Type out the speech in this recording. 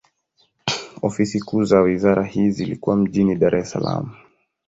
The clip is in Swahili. Ofisi kuu za wizara hii zilikuwa jijini Dar es Salaam.